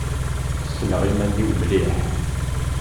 Ssneɣ iman-iw mliḥ.